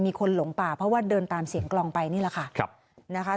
คนหลงป่าเพราะว่าเดินตามเสียงกลองไปนี่แหละค่ะนะคะ